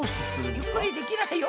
ゆっくりできないよ